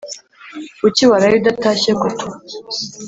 kuki waraye udatashye koko